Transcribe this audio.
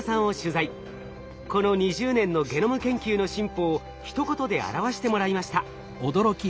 この２０年のゲノム研究の進歩をひと言で表してもらいました。